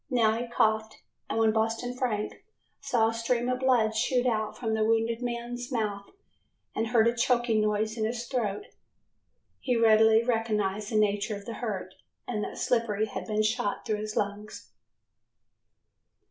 Now he coughed and when Boston Frank saw a stream of blood shoot out of the wounded man's mouth and heard a choking noise in his throat, he readily recognized the nature of the hurt and that Slippery had been shot through his lungs.